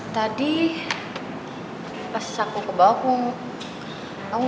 tadi pas aku ke bawah aku ngomong